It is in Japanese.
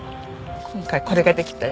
「今回これができたよ」